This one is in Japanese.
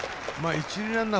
一塁ランナー